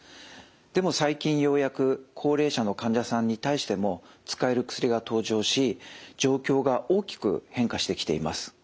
でも最近ようやく高齢者の患者さんに対しても使える薬が登場し状況が大きく変化してきています。